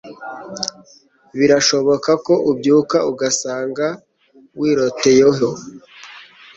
birashoboka ko ubyuka ugasanga wiroteyeho